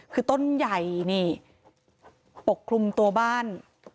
คือต้นใหญ่นี่ปกคลุมตัวบ้าน